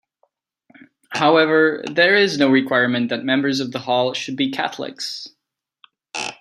However, there is no requirement that members of the hall should be Catholics.